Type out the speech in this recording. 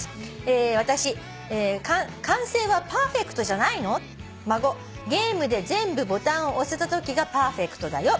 「私『完成はパーフェクトじゃないの？』」「孫『ゲームで全部ボタンを押せたときがパーフェクトだよ』」